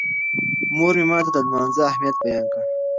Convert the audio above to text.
مور مې ماته د لمانځه اهمیت بیان کړ.